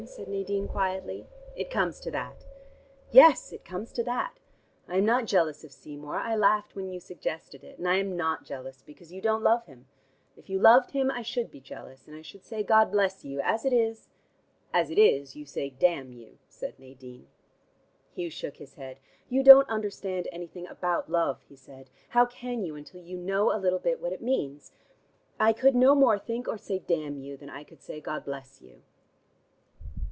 said Nadine quietly. "It comes to that." "Yes, it comes to that. I am not jealous of Seymour. I laughed when you suggested it; and I am not jealous, because you don't love him. If you loved him, I should be jealous, and I should say, 'God bless you!' As it is " "As it is, you say 'Damn you,'" said Nadine. Hugh shook his head. "You don't understand anything about love," he said. "How can you until you know a little bit what it means? I could no more think or say 'Damn you,' than I could say 'God bless you.'"